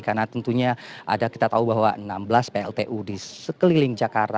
karena tentunya ada kita tahu bahwa enam belas pltu di sekeliling jakarta